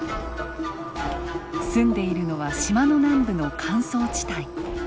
住んでいるのは島の南部の乾燥地帯。